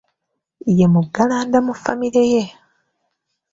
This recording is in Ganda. Ye muggalanda mu famire ye